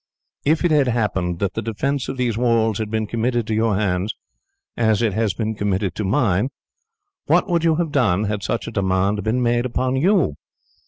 If it had happened that the defence of these walls had been committed to your hands, as it has been committed to mine, what would you have done had such a demand been made upon you?